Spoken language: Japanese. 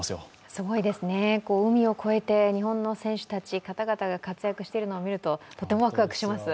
すごいですね、海を越えて日本の選手の方々が活躍しているのをみるととてもワクワクします。